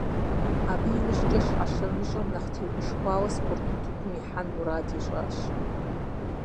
Абы иужькӏэ Щхьэщэмыщӏыр нэхъ тегушхуауэ спорт утыкум ихьэн мурадыр ищӏащ.